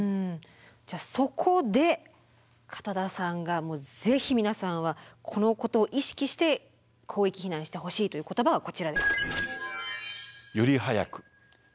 じゃあそこで片田さんがぜひ皆さんはこのことを意識して広域避難してほしいという言葉がこちらです。